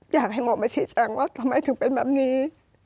อยากให้หมอมาชี้แจงว่าทำไมถึงเป็นแบบนี้